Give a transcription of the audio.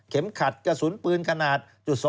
เข็มขัดกระสุนปืนขนาด